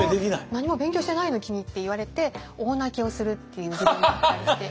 「何も勉強してないの君」って言われて大泣きをするっていう事例もあったりして。